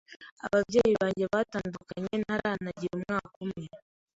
ababyeyi banjye batandukanye ntaranagira umwaka umwe,